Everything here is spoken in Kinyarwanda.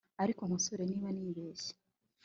ariko nkosore niba nibeshye